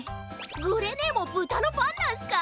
グレねえも豚のファンなんすか？